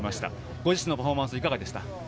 ご自身のパフォーマンスはいかがでした？